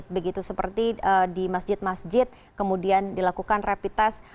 begitu seperti di masjid masjid kemudian dilakukan rapid test